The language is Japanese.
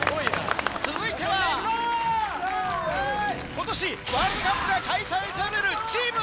続いては今年ワールドカップが開催される。